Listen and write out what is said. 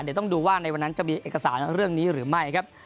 เดี๋ยวต้องดูว่าในวันนั้นจะมีเอกสารเรื่องนี้หรือไม่ครับ